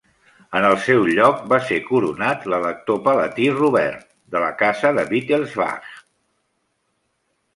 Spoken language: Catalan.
En el seu lloc va ser coronat l'elector palatí Robert, de la Casa de Wittelsbach.